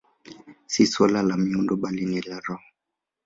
Si suala la miundo, bali la roho.